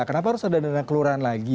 kenapa harus ada dana kelurahan lagi